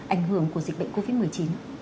ảnh hưởng của dịch bệnh covid một mươi chín